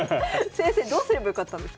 先生どうすればよかったんですかじゃあ。